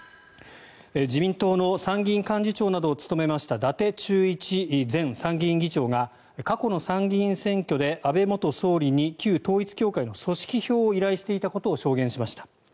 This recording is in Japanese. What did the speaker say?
自民党の参議院幹事長などを務めました伊達忠一前参院議長が過去の参議院選挙で安倍元総理に旧統一教会の組織票を依頼していたことを証言しました。